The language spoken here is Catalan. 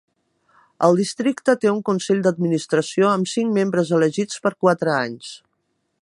El districte té un Consell d'administració, amb cinc membres elegits per quatre anys.